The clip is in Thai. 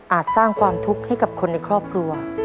สร้างความทุกข์ให้กับคนในครอบครัว